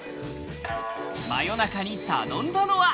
真夜中に頼んだのは。